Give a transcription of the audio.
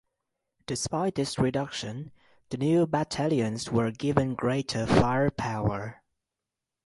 Despite this reduction, the new battalions were given greater fire power.